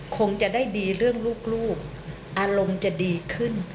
คงจะได้ดีเรื่องลูกอารมณ์จะดีขึ้น